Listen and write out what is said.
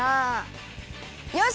よし！